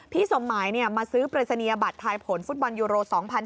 พี่สมหมายมาซื้อเปรตสะเนียบัตรไทยผลฟุตบอลโยโล๒๐๑๖